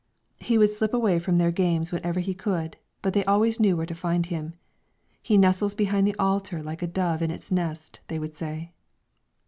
He would slip away from their games whenever he could, but they always knew where to find him. "He nestles beside the altar like a dove in its nest," they would say.